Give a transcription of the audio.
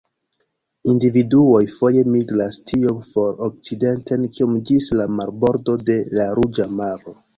Individuoj foje migras tiom for okcidenten kiom ĝis la marbordo de la Ruĝa Maro.